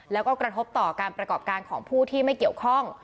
แล้วก็กระทบต่อการประกอบการของผู้ที่ไม่เกี่ยวข้อง